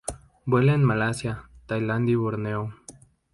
Vuela en Malasia, Tailandia y Borneo.